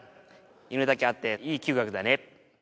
犬だけあっていい嗅覚だね